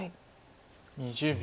２０秒。